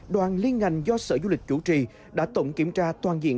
đoàn liên ngành do sở du lịch chủ trì đã tổng kiểm tra toàn diện